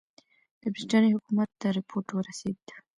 د برټانیې حکومت ته رپوټ ورسېد.